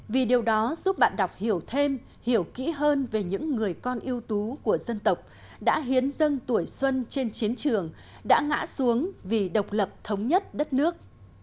vì điều đó giúp bạn đọc hiểu thêm hiểu kỹ hơn về những người con yêu tú của dân tộc đã hiến dâng tuổi xuân trên chiến trường đã ngã xuống vì độc lập thống nhất đất nước